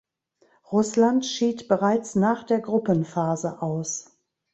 Russland schied bereits nach der Gruppenphase aus.